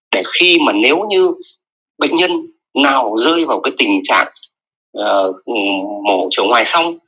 để khi mà nếu như bệnh nhân nào rơi vào cái tình trạng mổ trở ngoài xong